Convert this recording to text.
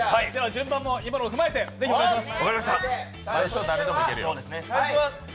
順番も今のを踏まえてお願いします。